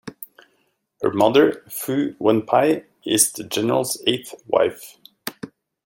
Her mother, Fu Wenpei, is the general's eighth wife.